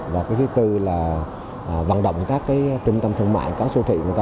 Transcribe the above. và cái thứ tư là vận động các trung tâm thương mại các siêu thị